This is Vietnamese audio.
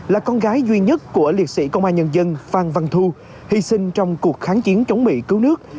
là con gái duy nhất của liệt sĩ công an nhân dân phan văn thu hy sinh trong cuộc kháng chiến chống mỹ cứu nước